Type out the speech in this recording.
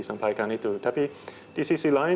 sampaikan itu tapi di sisi lain